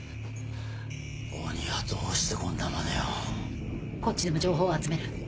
鬼はどうしてこんなまねを。こっちでも情報を集める。